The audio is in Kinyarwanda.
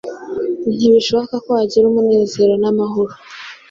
Ntibishoboka ko wagira umunezero n’amahoro